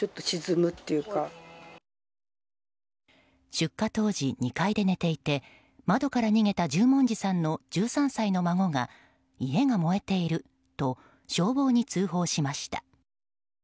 出火当時２階で寝ていて窓から逃げた十文字さんの１３歳の孫が家が燃えていると消防に通報しました。